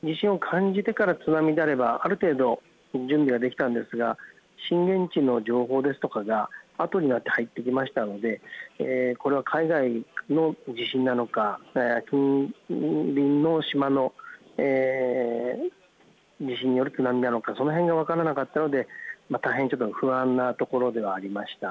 津波であるとある程度準備ができたんですが震源地の情報ですとかがあとになって入ってきましたのでこれは海外の地震なのか近隣の島の地震による津波なのかその辺が分からなかったので大変ちょっと不安なところではありました。